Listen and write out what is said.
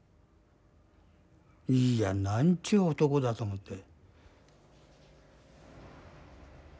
いやなんちゅう男だと思って。